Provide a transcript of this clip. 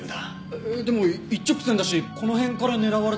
えっでも一直線だしこの辺から狙われたら危険だよ？